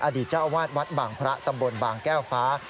อดีตเจ้าอาวาสวัดบางพระตำบลบางแก้วฟ้า